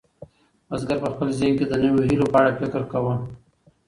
بزګر په خپل ذهن کې د نویو هیلو په اړه فکر کاوه.